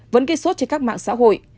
vẫn gây suốt trên các mạng xã hội